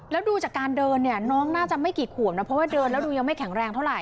แล้วดูจากการเดินเนี่ยน้องน่าจะไม่กี่ขวบนะเพราะว่าเดินแล้วดูยังไม่แข็งแรงเท่าไห